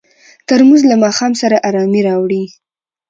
ترموز له ماښام سره ارامي راوړي.